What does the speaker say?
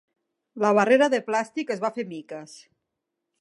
La barrera de plàstic es va fer miques.